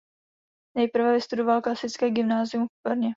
Nejprve vystudoval klasické gymnázium v Brně.